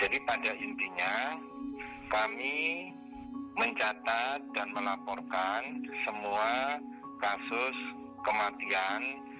jadi pada intinya kami mencatat dan melaporkan semua kasus kematian